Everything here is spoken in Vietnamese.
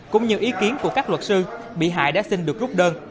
cũng như ý kiến của các luật sư bị hại đã xin được rút đơn